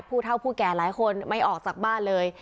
ผู้เท่าผู้แก่หลายคนไม่ออกจากบ้านเลย